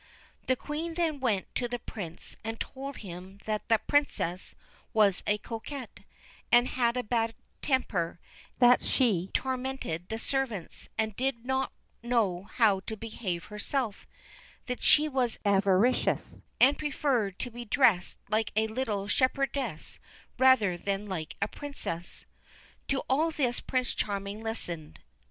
The Queen then went to the Prince and told him that the Princess was a coquette, and had a bad temper ; that she tormented the servants, and did not know how to behave herself; that she was avaricious, and preferred to be dressed like a little shepherdess rather than like a Princess. To all this Prince Charming listened.